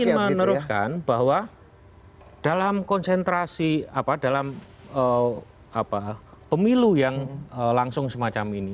saya ingin meneruskan bahwa dalam konsentrasi dalam pemilu yang langsung semacam ini